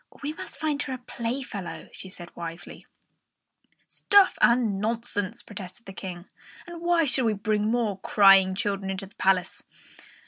"We must find her a playfellow," she said wisely. "Stuff and nonsense!" protested the King. "Why should we bring any more crying children into the palace?